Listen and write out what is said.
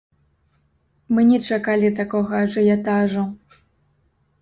Мы не чакалі такога ажыятажу.